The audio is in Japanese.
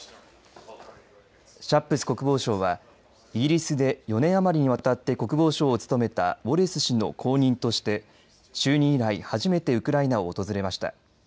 シャップス国防相はイギリスで４年余りにわたって国防相を務めたウォレス氏の後任として就任以来、初めてウクライナを訪れました。